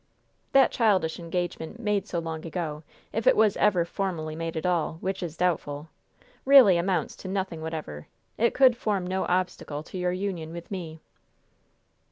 "That childish engagement, made so long ago if it was ever formally made at all, which is doubtful really amounts to nothing whatever! It could form no obstacle to your union with me."